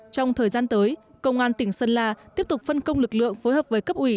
trong thời gian tới công an tỉnh sơn la tiếp tục phân công lực lượng phối hợp với cấp ủy